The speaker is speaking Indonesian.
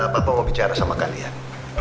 bapak mau bicara sama kalian